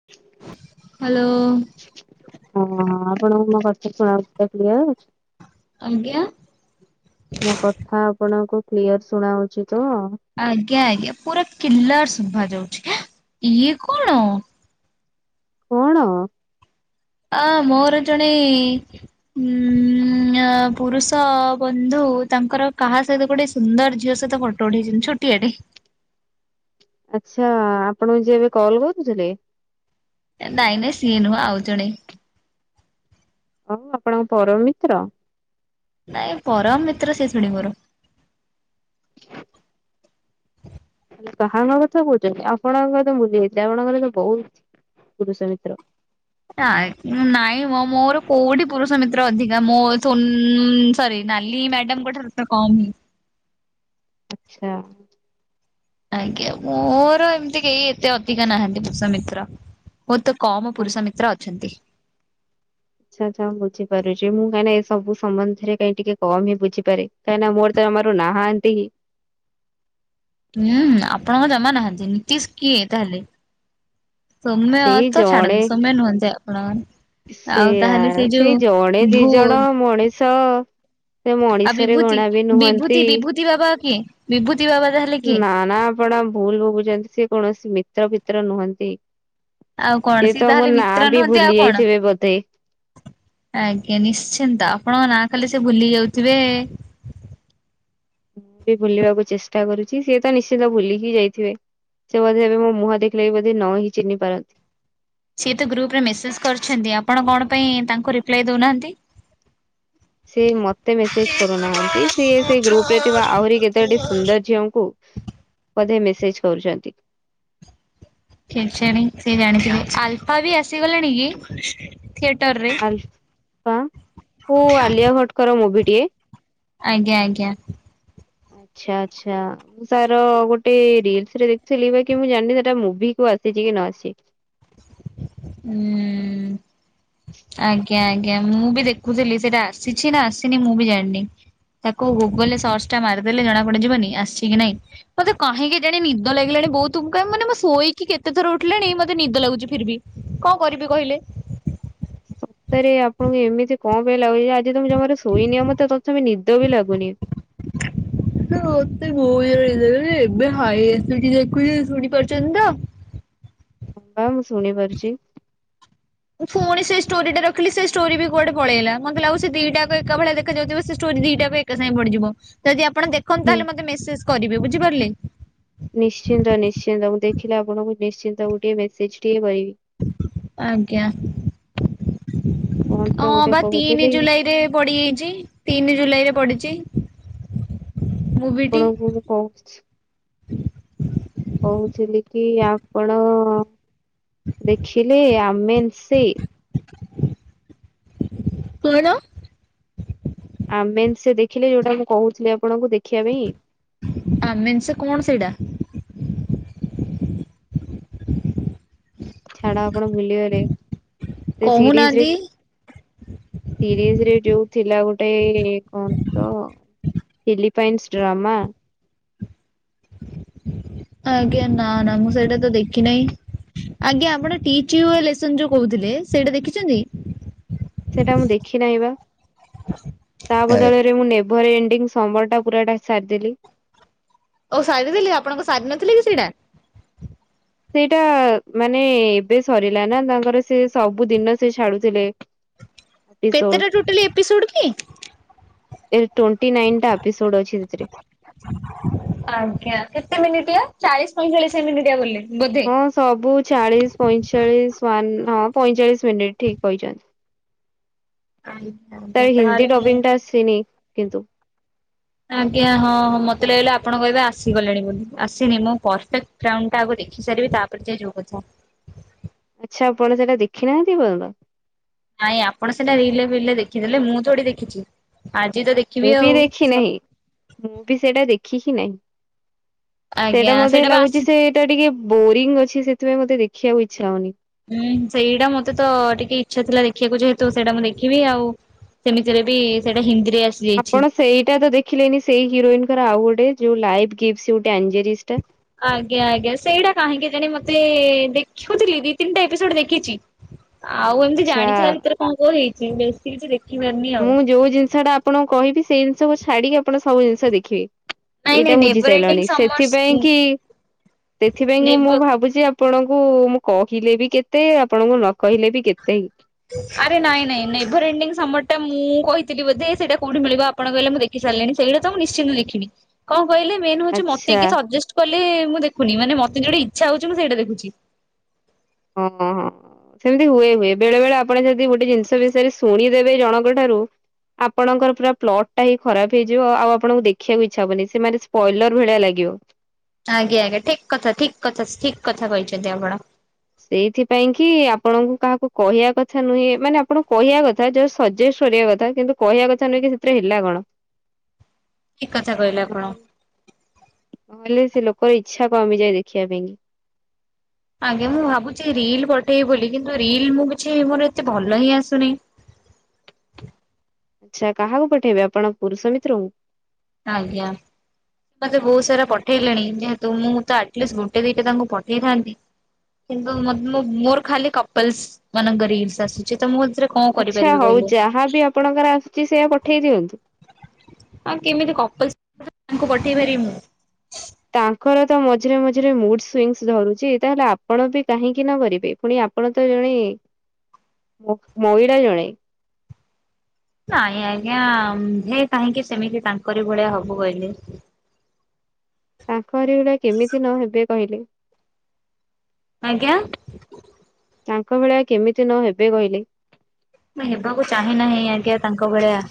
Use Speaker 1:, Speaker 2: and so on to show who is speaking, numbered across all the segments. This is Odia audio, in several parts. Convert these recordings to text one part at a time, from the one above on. Speaker 1: [inaudible]
Speaker 2: ହ୍ୟାଲୋ।
Speaker 1: ହଁ ଆପଣଙ୍କୁ ମୋ କଥା ଶୁଣାହଉଥିଲା କ୍ଲିୟର।
Speaker 2: ଆଜ୍ଞା।
Speaker 1: ମୋ କଥା ଆପଣଙ୍କୁ କ୍ଲିୟର ଶୁଣାହଉଚି ତ?
Speaker 2: ଆଜ୍ଞା ଆଜ୍ଞା ପୁରା କିଲାର ଶୁଭା ଯାଉଚି। ଇଏ କଣ!
Speaker 1: କଣ?
Speaker 2: ଅଁ ମୋର ଜଣେ ଉଁ ଅ ପୁରୁଷ ବନ୍ଧୁ ତାଙ୍କର କାହା ସହିତ ଗୋଟେ ସୁନ୍ଦର ଝିଅ ସହିତ ଫଟ ଉଠେଇଛନ୍ତି, ଛୋଟିଆଟେ।
Speaker 1: ଆଚ୍ଛା, ଆପଣଙ୍କୁ ଯିଏ ଏବେ କଲ୍ କରୁଥିଲେ।
Speaker 2: ନାଇଁ ନାଇଁ ସିଏ ନୁହଁ। ଆଉ ଜଣେ।
Speaker 1: ଆଉ ଆପଣଙ୍କ ପରମ୍ ମିତ୍ର।
Speaker 2: ନାଇଁ ପରମ ମିତ୍ର ସେ ଶୁଣିମୋର।
Speaker 1: ହେଲେ କାହାଙ୍କ କଥା କହୁଚନ୍ତି। ଆପଣଙ୍କର ତ ବୁଲି ଯାଇଥିଲେ, ଆପଣଙ୍କର ତ ବହୁତ ପୁରୁଷ ମିତ୍ର।
Speaker 2: ନାଇଁ। ନାଇଁ ମ। ମୋର କୋଉଠି ପୁରୁଷ ମିତ୍ର ଅଧିକା, ମୋ ଥୁଁ ସରି ନାଲି ମ୍ୟାଡାମ ଙ୍କ ଠାରୁ ତ କମ୍।
Speaker 1: ଆଚ୍ଛା।
Speaker 2: ଆଜ୍ଞା। ମୋର ଏମିତି କେହି ଏତେ ଅଧିକା ନାହାନ୍ତି ପୁରୁଷ ମିତ୍ର। ମୋର୍ ତ କମ
Speaker 1: ଆଚ୍ଛା
Speaker 2: ପୁରୁଷ ମିତ୍ର ଅଛନ୍ତି।
Speaker 1: ଆଚ୍ଛା ଆଚ୍ଛା, ମୁ ବୁଝିପାରୁଛି, ମୁଁ କାଁଇନା ଏ ସବୁ ସମ୍ବନ୍ଧରେ କାଇଁ ଟିକେ କମ୍ ହିଁ ବୁଝିପାରେ। କାହିଁନା ମୋର ତ ଜମାରୁ ନାହାନ୍ତି।
Speaker 2: ହୁଁ। ଆପଣଙ୍କ ଜମା ନାହାନ୍ତି। ନୀତିଶ କିଏ ତାହେଲେ? ସୌମ୍ୟ ଅ
Speaker 1: ସେଇ
Speaker 2: ତ
Speaker 1: ଜଣେ
Speaker 2: ଚ୍ଛାଡ଼ନ୍ତୁ, ସୌମ୍ୟ ନୁହଁନ୍ତି ଆପଣ
Speaker 1: ସେଇଆ। ସେଇ ଜଣେ ଦି
Speaker 2: ଭୁ
Speaker 1: ଜଣ ମଣିଷ ସେ ମଣିଷରେ ଗଣା ବି ନୁହନ୍ତି।
Speaker 2: ତିଇ ବାବା କିଏ? ବିଭୂତି ବାବା ଯାହ
Speaker 1: ନା ନା ଆପଣ ଭୁଲ ବୁଝନ୍ତି, ସେ କୌଣସି ମିତ୍ର ଫିତ୍ର ନୁହନ୍ତି।
Speaker 2: ଆଉ କଣ
Speaker 1: ସିଏ
Speaker 2: ସିଏ
Speaker 1: ତ
Speaker 2: ତାହେଲେ
Speaker 1: ମୋ ନା
Speaker 2: ମିତ୍ର
Speaker 1: ବି
Speaker 2: ନୁହନ୍ତି ଆଉ
Speaker 1: ଭୁଲି
Speaker 2: କଣ?
Speaker 1: ଯାଇଥିବେ ବଧେ।
Speaker 2: ଆଜ୍ଞା ନିଶ୍ଚିନ୍ତ। ଆପଣ ନାଁ ଖାଲି ସେ ଭୁଲି ଯାଉଥିବେ।
Speaker 1: ମୁଁ ବି ଭୁଲିବାକୁ ଚେଷ୍ଟା କରୁଛି। ସିଏ ତ ନିଶ୍ଚିିତ ଭୁଲିକି ଯାଇଥିବେ। ସେ ବୋଧେ ଏବେ ମୋ ମୁହଁ ଦେଖିଲେ ବଧେ ନହିିଁ ଚିହ୍ନି ପାରନ୍ତି।
Speaker 2: ସିଏ ତ ଗ୍ରୁପ ରେ ମେସେଜ କରିଛନ୍ତି, ଆପଣ କଣ ପାଇଁ ତାଙ୍କୁ ରିପ୍ଲାଏ ଦଉନାହାନ୍ତି?
Speaker 1: ସିଏ ମତେ ମେସେଜ କରୁନାହାନ୍ତି। ସିଏ ସେଇ ଗ୍ରୁପ ରେ ଥିବା ଆହୁରି କେତୋଟି ସୁନ୍ଦର ଝିଅଙ୍କୁ ବଧେ ମେସେଜ କରୁଛନ୍ତି।
Speaker 2: କେଜାଣି ସେ ଜାଣିଥିବେ? ଆଲଫା ବି ଆସିଗଲାଣି କି? ଥିଏଟର ରେ।
Speaker 1: ହ ଓ ଆଲିଆ ଭଟଙ୍କର ମୁଭି ଟିଏ।
Speaker 2: ଆଜ୍ଞା ଆଜ୍ଞା।
Speaker 1: ଆଚ୍ଛା ଆଚ୍ଛା। ମୁଁ ତାର ଗୋଟେ ରିଲସ ରେ ଦେଖଥିଲି, ବାକି ମୁଁ ଜାଣିନି ସେଟା ମୁଭି କୁ ଆସିଚି କି ନ ଆସିଚି।
Speaker 2: ହୁଁ। ଆଜ୍ଞା ଆଜ୍ଞା। ମୁଁ ବି ଦେଖୁଥିଲି, ସେଇଟା ଆସିଛି ନା ଆସିନି ମୁଁ ବି ଜାଣିନି। ତାକୁ ଗୁଗଲ ରେ ସର୍ଚ୍ଚ ଟା ମାରିଦେଲେ ଜଣା ପଡିଯିବନି, ଆସିଛି କି ନାଇଁ? ମତେ କାହିଁ କେଜାଣି ନିଦ ଲାଗିଲାଣି ବୋଉ ତୁମ୍, କ ମାନେ, ମୁଁ ଶୋଇକି କେତେଥର ଉଠିଲଣି ମତେ ନିଦ ଲାଗୁଛି ଫିର ବି। କଣ କରିବି କହିଲେ?
Speaker 1: ତାରେ ଆପଣଙ୍କୁ ଏମିତି କଣ ଲାଗୁଚି ଆଜି ତ ମେ ଜମାରୁ ଶୋଇନି ଆ ମତେ ତଥାପି ନିଦ ବି ଲାଗୁନି।
Speaker 2: ତ ମତେ ବହୁତ ଜ ହେ ଏବେ ହାଇ ଆସ ଦେଖୁଛି ଶୁଣି ପାରୁଛନ୍ତି ତ।
Speaker 1: ହମୁଁ ଶୁଣି ପାରୁଛି।
Speaker 2: ମୁଁ ପୁଣି ସେ ଷ୍ଟୋରିଟା ରଖିଲି ସେ ଷ୍ଟୋରୀ ବି କୁଆଡେ ପଳେଇଗଲା ମୋତେ ଲାଗୁଛି ଆଉ ସେ ଦିଟା ଏକାଭଳିଆ ଦେଖାଯାଉଥିବ ଷ୍ଟୋରୀ ଦିଟା ପାଇଁ ଏକା ସାଙ୍ଗେ ପଡିଯିବ ଯଦି ଆପଣ ଦେଖନ୍ତୁ
Speaker 1: ହୁଁ।
Speaker 2: ତାହେଲେ ମତେ ମେସେଜ କରିବେ ବୁଝିପାରିଲେ?
Speaker 1: ନିଶ୍ଚିନ୍ତ ନିଶ୍ଚିନ୍ତ ମୁଁ ଦେଖିଲି ଆପଣଙ୍କୁ ନିଶ୍ଚିନ୍ତ ଗୋଟିଏ ମେସେଜ ଟିଏ କରିବି।
Speaker 2: ଆଜ୍ଞା।
Speaker 1: କଣ ତ
Speaker 2: ହଁ
Speaker 1: ଗୋଟେ
Speaker 2: ବା ତିନି
Speaker 1: କହୁଥିଲି
Speaker 2: ଜୁଲାଇ ରେ ପଡିଯାଇଛି। ତିନି ଜୁଲାଇରେ ପଡ଼ିଛି।
Speaker 1: ଆପଣଙ୍କୁଁ ମୁଁ କହୁଛି। କହୁଥିଲି କି ଆପଣ? ଦେଖିଲେ ଆମେନ୍ ସି
Speaker 2: କଣ?
Speaker 1: ଆମେନ୍ସି ଦେଖିଲେ ଯୋଉଟା ମୁଁ କହୁଥିଲି ଆପଣଙ୍କୁ ଦେଖିବା ପାଇଁ।
Speaker 2: ଆମେନ୍ସି କଣ ସେଇଟା?
Speaker 1: ଛାଡ ଆପଣ ଭୁଲିଗଲେ ସେ ସିରିଜରେ
Speaker 2: କହୁନାହାନ୍ତି
Speaker 1: ସିରିଜରେ ଯୋଉ ଥିଲା ଗୋଟେ କଣ ତ? Philippines drama.
Speaker 2: ଆଜ୍ଞା ନା ନା ମୁଁ ସେଇଟା ତ ଦେଖି ନାହିଁ। ଆଜ୍ଞା ଆପଣ ଟିଚ ୟୁ ଲେସନ ଯୋଉ କହୁଥିଲେ ସେଇଟା ଦେଖିଛନ୍ତି?
Speaker 1: ସେଇଟା ମୁଁ ଦେଖିନାହିଁ ବା ତା ବଦଳରେ ମୁଁ ନେ ଭର ଏଣ୍ଡିଙ୍ଗ ସମରଟା ପୁରାଟା ସାରିଦେଲି।
Speaker 2: ଓ ସାରିଦେଲି ଆପଣଙ୍କ ସାରି ନଥିଲେ କି ସେଇଟା?
Speaker 1: ସେଇଟା ମାନେ ଏବେ ସରିଲା ନା ତାଙ୍କର ସେ ସବୁ ଦିନ ସେ ଛାଡୁଥିଲେ। ଏପିସୋଡ
Speaker 2: କେତେଟା ଟୋଟାଲ ଏପିସୋଡ କି?
Speaker 1: ଏ ଟ୍ବେଣ୍ଟି ନାଇନ ଟା ଏପିସୋଡ ଅଛି ସେଥିରେ।
Speaker 2: ଆଜ୍ଞା କେତେ ମିନିଟ୍ ଆ ଚାଳିଶ ପଇଁଚାଳିଶ ମିନିଟ୍ ବୋଲି ବୋଧେ।
Speaker 1: ହଁ ସବୁ ଚାଳିଶ ପଇଁଚାଳିଶ ୱାନ ହଁ ପଇଁଚାଳିଶ ମିନିଟ ଠିକ କହିଛନ୍ତି।
Speaker 2: ଆଜ୍ଞା
Speaker 1: ତା
Speaker 2: ଆଜ୍ଞା
Speaker 1: ହିନ୍ଦୀ
Speaker 2: ତାହେଲେ ମୁଁ
Speaker 1: ଟବିଂ ଟା ଆସିନି କିନ୍ତୁ।
Speaker 2: ଆଜ୍ଞା ହଁ ହଁ ମତେ ଲାଗିଲା ଆପଣ କହିବେ ଆସିଗଲେଣି ବୋଲି ଆସିନି ମୁଁ ପରଫେକ୍ଟ ବ୍ରାଉନଟା ଆକୁ ଦେଖି ସାରିବି ତାପରେ ଯାଇ ଯୋଉ କଥା।
Speaker 1: ଆଚ୍ଛା ଆପଣ ସେଟା ଦେଖିନାହାନ୍ତି ଏପର୍ଯ୍ଯନ୍ତ।
Speaker 2: ନାଇଁ ଆପଣ ସେଟା ରିଲରେ ଫିଲେ ଦେଖିଦେଲେ ମୁଁ ତଠି ଦେଖିଛି ଆଜି ତ ଦେଖ
Speaker 1: ମୁଁ ବି ଦେଖି ନାହିଁ ମୁଁ ବି ସେଇଟା ଦେଖି ହିଁ ନାହିଁ।
Speaker 2: ଆଜ୍ଞା
Speaker 1: ସେଇଟା ମତେ
Speaker 2: ବା
Speaker 1: ଲାଗୁଛି
Speaker 2: ଆସି
Speaker 1: ସେଇଟା ଟିକେ ବୋରିଙ୍ଗ ଅଛି ସେଥିପାଇଁ ମତେ ଦେଖିବାକୁ ଇଚ୍ଛା ହଉନି।
Speaker 2: ହୁଁ ସେଇଟା ମତେ ତ ଟିକେ ଇଚ୍ଛା ଥିଲା ଦେଖିବାକୁ ଯେହେତୁ ସେଇଟା ମୁଁ ଦେଖିବି ଆଉ ସେମିତିରେ ବି ସେଇଟା ହିନ୍ଦୀରେ ଆସ
Speaker 1: ଆପଣ ସେଇଟା ତ ଦେଖିଲେନି ସେଇ ହିରୋଇନଙ୍କର ଆଉ ଗୋଟେ ଯୋଉ ଲାଇଫ କିଗ ୱିଥ ଆଞ୍ଜେରିସଟା।
Speaker 2: ଆଜ୍ଞା ଆଜ୍ଞା ସେଇଟା କାହିଁକି ଜାଣି ମତେ ଦେଖୁଥିଲି ଦି ତିନିଟା ଏପିସୋଡ ଦେଖିଛି ଆଉ ଏମିତି
Speaker 1: ଆଚ୍ଛା
Speaker 2: ଜାଣିଛ ତା ଭିତରେ କଣ କଣ ହେଇଛି ବେଶୀ କିଛି ଦେଖିପାରନି।
Speaker 1: ମୁଁ ଯୋଉ ଜିନିଷଟା ଆପଣଙ୍କୁ କହିବି ସେଇ ଜିନିଷକୁ ଛାଡିକି ଆପଣ ସବୁ ଜିନିଷ
Speaker 2: ନାଇଁ
Speaker 1: ଦେଖିବେ।
Speaker 2: ନାଇଁ
Speaker 1: ଏଇଟା ବୁଝି
Speaker 2: ନେଭର ଏଣ୍ଡିଙ୍ଗ
Speaker 1: ସାରିଲଣି
Speaker 2: ସମର୍ସ
Speaker 1: ସେଥିପାଇଁ କି ସେଥିପାଇଁ କି
Speaker 2: ନେବ
Speaker 1: ମୁଁ ଭାବୁଛି? ଆପଣଙ୍କୁ ମୁଁ କହିଲେ ବି କେତେ ଆପଣଙ୍କୁ ନ କହିଲେ ବି କେତେ?
Speaker 2: ଆରେ ନାଇଁ ନାଇଁ ନେଭର ଏଣ୍ଡିଂ ସମର ଟା ମୁଁ କହିଥିଲି ବୋଧେ ସେଇଟା କୋଉଠି ମିଳିବ ଆପଣ କହିଲେ ମୁଁ ଦେଖି ଦେଖି ସାରିଲେଣି ସେଇଟା ତ ମୁଁ ନିଶ୍ଚିନ୍ତ ଦେଖିନି। କଣ କହିଲେ ମେନ ହଉଛି ମତେ
Speaker 1: ଆଚ୍ଛା
Speaker 2: କିଏ ସଜେଷ୍ଟ କଲେ ମୁଁ ଦେଖନ ମାନେ ମତେ ଯୋଉଟା ଇଚ୍ଛା ହଉଛି ମୁଁ ସେଇଟା ଦେଖୁଛି।
Speaker 1: ହଁ ହଁ ହଁ। ସେମିତି ହୁଏ ହୁଏ ବେଳେ ବେଳେ ଆପଣ ଯଦି ଗୋଟେ ଜିନିଷ ବିଷୟରେ ଶୁଣିଦେବେ ଜଣଙ୍କ ଠାରୁ ଆପଣଙ୍କର ପୁରା ପ୍ଲଟ୍ ଟା ହିଁ ଖରାପ ହେଇଯିବ ଆଉ ଆପଣଙ୍କୁ ଦେଖିବାକୁ ଇଚ୍ଛା ହବନି ସେମାନେ ବ୍ରଏଲର ଭଳିଆ ଲାଗିବ।
Speaker 2: ଆଜ୍ଞା ଆଜ୍ଞା ଠିକ୍ କଥା ଠିକ୍ କଥା ଠିକ୍ କଥା କହିଛନ୍ତି ଆପଣ।
Speaker 1: ସେଇଥିପାଇଁ କି ଆପଣଙ୍କୁ କାହାକୁ କହିବା କଥା ନୁହେଁ ମାନେ ଆପଣଙ୍କୁ କହିବା କଥା। ତାର ଯୋଉ ସଜେଷ୍ଟେ କରିବା କଥା କିନ୍ତୁ କହିବା କଥା ନୁହେଁ କି ସେଥିରେ ହେଲା କଣ।
Speaker 2: ଠିକ କଥା କହିଲେ ଆପଣ।
Speaker 1: ନହେଲେ ନହେଲେ ସେ ଲୋକର ଇଛା କମିଯଏ ଦେଖିବା ପାଇଁ।
Speaker 2: ଆଜ୍ଞା ମୁଁ ଭାବୁଚି ରିଲ୍ ପଠେଇବି ବୋଲି କିନ୍ତୁ ରିଲ୍ ମୁଁ କିଛି ମୋର ଏତେ ଭଲ ହିଁ ଆସୁନେହିଁ।
Speaker 1: ଆଚ୍ଛା କାହାକୁ ପଠେଇବେ ଆପଣ ପୁରୁଷ ମିତ୍ରଙ୍କୁ।
Speaker 2: ଆଜ୍ଞା। ମତେ ବହୁତ୍ ସାରା ପଠେଇଲେଣି ଯେହେତୁ ମୁଁ ତ ଆଟଲିଷ୍ଟି ଗୋଟେ ଦିଟା ତାଙ୍କୁ ପଠେଇଥାଆନ୍ତି। କିନ୍ତୁ ମୋତେ ମୁ ମୋ ମୋର ଖାଲି କପଲସ୍ ମାନଙ୍କ ରିଲସ୍ ଆସୁଛି ତ ମୁଁ ଏଥିରେ କଣ
Speaker 1: ଆଚ୍ଛା୍
Speaker 2: କରିପାରିବି
Speaker 1: ହଉ
Speaker 2: କହିଲେ?
Speaker 1: ଯାହାବି ଆପଣଙ୍କର ଆସୁଚି ସେଇଆା ପଠେଇ ଦିଅନ୍ତୁ।
Speaker 2: ଆଁ କେମିତି କପଲ୍ ସ୍ ତାଙ୍କୁ ପଠେଇ ପାରିବ ମୁୁ।
Speaker 1: ତାଙ୍କର ତ ମଝିରେ ମଝିରେ ମୁଡୁ ସୁଇଙ୍ଗିସ୍ ଧରୁଚି ତାହେଲେ ଆପଣ ବି କାହିଁକି ନ ଭରିବେ ପୁଣି ଆପଣ ଆପଣ ତ ଜଣେ ମ ମହିଳା ଜଣେ।
Speaker 2: ନାଇଁ ଆଜ୍ଞା ହେ କାହିଁକି ସେମିତି ତାଙ୍କରି ଭଳିଆ ହବୁ କହିଲେ।
Speaker 1: ତାଙ୍କରି ଭଳିଆ କେମିତି ନ ହେବେ କହିଲେ।
Speaker 2: ଆଜ୍ଞା।
Speaker 1: ତାଙ୍କ ଭଳିଆ କେମିତି ନହବେ କହିଲେ?
Speaker 2: ମୁଁ ହେବାକୁ ଚାହିଁ ନାହିଁ ଆଜ୍ଞା ତାଙ୍କ ଭଳିଆ।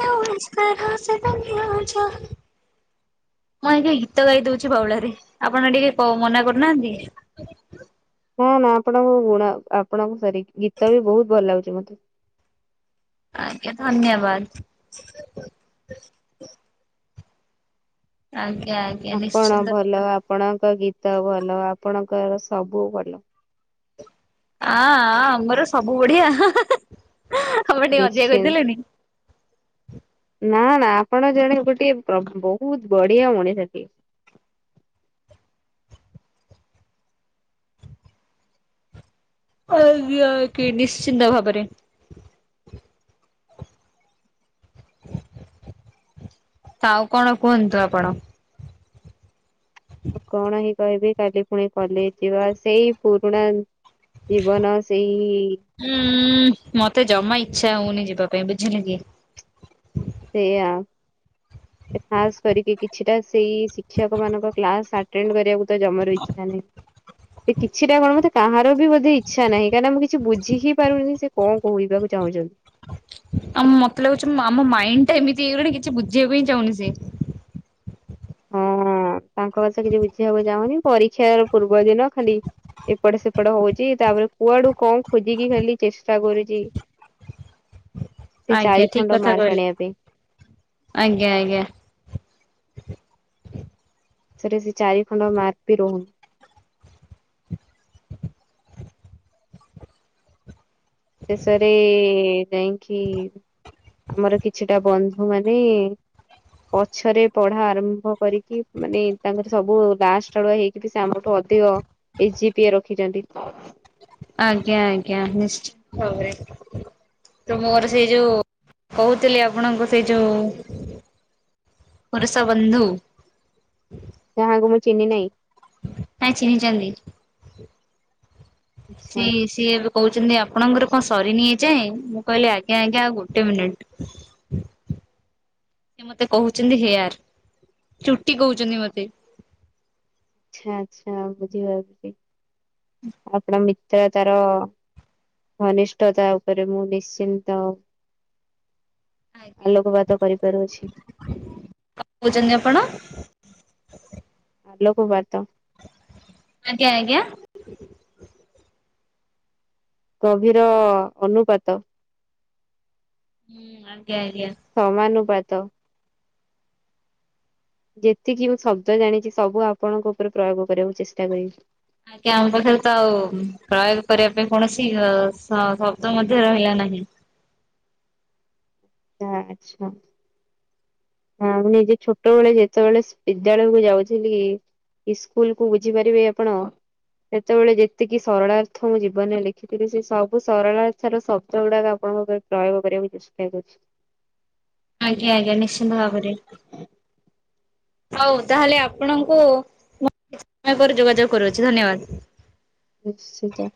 Speaker 2: ଜୋ ଇସ୍ଥତରା ସେ ଦୁନିଆ ଜହାଁ ମୁଁ ଆଜ୍ଞା ଗୀତ ଗାଇ ଦୋଉଚି ବାଉଳାରେ ଆପଣ ଟିକେ କ ମନା କରୁନାହାନ୍ତି।
Speaker 1: ନା ନା ଆପଣଙ୍କ ଗୁଣ ଆପଣଙ୍କୁ ସରି ଗୀତ ବି ବହୁତ୍ ଭଲ ଲାଗୁଚି ମତେ।
Speaker 2: ଆଜ୍ଞା ଧନ୍ୟବାଦେ। ଆଜ୍ଞା ଆଜ୍ଞା
Speaker 1: ଆପଣ
Speaker 2: ନିଶ୍ଚିନ୍ତ
Speaker 1: ଭଲ
Speaker 2: ଭାବରେ।
Speaker 1: ଆପଣଙ୍କ ଗୀତ ଭଲ ଆପଣଙ୍କର ସବୁ ଭଲ।
Speaker 2: ଆଁ ଆଁ ଆମର ସବୁ ବଢିଆ ହା ହା ହା ହା ଆପଣ ଟିକେ ଅଧିକା
Speaker 1: ନିଶ୍ଚିନ୍ତ
Speaker 2: କହିଦେଲେନି।
Speaker 1: ନା ନା ଆପଣ ଜଣେ ଗୋଟି ଏ ପ୍ରଗ ବହୁତ୍ ବଢିଆ ମଣିଷଟି ଏ।
Speaker 2: ଆଜ୍ଞା କି ନିଶ୍ଚିନ୍ତ ଭାବରେ। ଆଉ କଣ କୁହନ୍ତୁ ଆପଣ?
Speaker 1: ଆଉ କଣ ହିଁ କହିବି କାଲି ପୁଣି କଲେଜେ ଯିବା ସେଇ ପୁରୁଣା ଜିବନ ସେଇ
Speaker 2: ଉଁ ମତେ ଜମା ଇଚ୍ଛା ହଉନି ଯିବା ପାଇଁ ବୁଝିଲେ କି?
Speaker 1: ସେଇୟା। ଖାସ୍ କରିକି କିଛିଟା ସେଇ ଶିକ୍ଷକ ମାନଙ୍କ କ୍ଲାସ୍ ଆଟେଣ୍ଡେ କରିବାକୁ ତ ଜମାରୁ ଇଛା ନାହିଁ। ଏଇ କିଛିଟା କଣ ହୋଉଚି କାହାର ବି ବଧେଇ ଇଛା ନାହିଁ କାହିନା ମୁଁ କିଛି ବୁଝି ହି ପାରୁନି ସେ କଣ କହିବାକୁ ଚାହୁଁଛନ୍ତି?
Speaker 2: ଆମ ମତେ ଲାଗୁଚି ଆମ ମାଇଣ୍ଡି ଟା ଏମିତି ହେଇଗଲାଣି କିଛି ବୁଝିବା ପାଇଁ ଚାହୁଁନି ସିଏ।
Speaker 1: ହଁ ତାଙ୍କ କଥା କିଛି ବୁଝିବାକୁ ଚାହୁଁନି ପରୀକ୍ଷା ପୂର୍ବ ଦିନ ଖାଲି ଏପଟ ସେପଟ ହୋଉଚି ତାପରେ କୁଆଡୁ କଣ ଖୋଜିକି ଖାଲି ଚେଷ୍ଟା କରୁଚି। ସେ
Speaker 2: ଆଜ୍ଞା
Speaker 1: ଚାରି
Speaker 2: ଠିକ
Speaker 1: ଖଣ୍ଡ
Speaker 2: କଥା
Speaker 1: ମାର୍କ
Speaker 2: କହିଲେ
Speaker 1: ଆଣିବା ପାଇଁ।
Speaker 2: ଆଜ୍ଞା ଆଜ୍ଞା।
Speaker 1: ସେଠି ସେ ଚାରି ଖଣ୍ଡ ମାର୍କ ବି ରହୁନି। ଶେଷରେ ଏ ଯାଇକି ଆମର କିଛିଟା ବନ୍ଧୁ ମାନେ ପଛରେ ପଢା ଆରମ୍ଭ କରିକି ମାନେ ତାଙ୍କର ସବୁ ଲାଷ୍ଟର ହେଇକି ସେଟି ସେ ଆମର ତ ଅଧିକ ଏଇଜି ପିଏ ରଖିଛନ୍ତି।
Speaker 2: ଆଜ୍ଞା ଆଜ୍ଞା ନିଶ୍ଚତ ଭାବରେ। ତମେ ଘର ସେଇ ଯୋଉ କହୁଥିଲି ଆପଣଙ୍କୁ ସେଇ ଯୋଉ ପରେସ ବନ୍ଧୁ।
Speaker 1: ଯାହାଙ୍କୁ ମୁଁ ଚହ୍ନି ନେଇଁ।
Speaker 2: କାଇଁ ଚିହ୍ନି ଚନ୍ତି।
Speaker 1: ଆଚ୍ଛା
Speaker 2: ଇସ୍‌ ଇଏବି କହୁଛନ୍ତି ଆପଣଙ୍କର କଣ ସରିନି ଏଯାଏଁ ମୁଁ କହିଲି ଆଜ୍ଞା ଆଜ୍ଞା ଆଉ ଗୋଟେ ମିନିଟ୍। ସେ ମତେ କହୁଛନ୍ତି ହେୟାର ଚୁଟି କହୁଛନ୍ତି ମତେ।
Speaker 1: ଆଛା ଆଛା ବୁଝିପାରୁଛି ଆପଣ ମିତ୍ର ତାର ଘନିଷ୍ଠତା ଉପରେ ମୁଁ ନିଶ୍ଚିନ୍ତ। ଆଲୋକପାତ କରିପାରୁଅଛି।
Speaker 2: କଣ କହୁଛନ୍ତି ଆପଣ?
Speaker 1: ଆଲୋକପାତ।
Speaker 2: ଆଜ୍ଞା ଆଜ୍ଞା।
Speaker 1: ଗଭୀର ଅନୁପାତ।
Speaker 2: ହୁଁ ଆଜ୍ଞା ଆଜ୍ଞା।
Speaker 1: ସମାନୁପାତ। ଯେତିକି ମୁଁ ଶବ୍ଦ ଜାଣିଛି ସବୁ ଆପଣଙ୍କ ଉପରେ ପ୍ରୟୋଗ କରିବାକୁ ଚେଷ୍ଟା କରିବି।
Speaker 2: ଆଜ୍ଞା ଆମ ପାଖରେ ତ ଆଉ ପ୍ରୟୋଗ କରିବା ପାଇଁ କୌଣସି ଅ ଶବ୍ଦ ମଧ୍ୟ ରହିଲା ନାହିଁ।
Speaker 1: ତା ଆଛା। ହଁ ମୁ ନିଜେ ଛୋଟ ବେଳେ ଯେତେବେଳେ ବିଦ୍ୟାଳୟକୁୁ ଯାଉଥିଲି ଇସ୍କୁଲକୁୁ ବୁଝିପାରିବେ ଆପଣ। ସେତେବେଳେ ଯେତିକି ସରଳାର୍ଥ ମୁଁ ଜୀବନରେ ଲେଖିଥିଲି ସେ ସବୁ ସରଳା ଅର୍ଥର ଶବ୍ଦ ଗୁଡାକ ଆପଣଙ୍କ ପାଖ ପ୍ରୟୋଗ କରିବାକୁ ଚେଷ୍ଟା କରୁଛି।
Speaker 2: ଆଜ୍ଞା ଆଜ୍ଞା ନିଶ୍ଚିନ୍ତ ଭାବରେ। ହଉ ତାହେଲେ ଆପଣଙ୍କୁ ମୁଁ ସମୟ ପରେ ଯୋଗାଯୋଗ କରୁଅଛି ଧନ୍ୟବାଦ।
Speaker 1: ନିଶ୍ଚିତ।